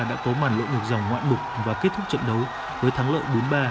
đã có màn lộ một dòng ngoạn mục và kết thúc trận đấu với thắng lợi bốn ba